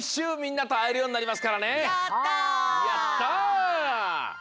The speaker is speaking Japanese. うみんなとあえるようになりますからね。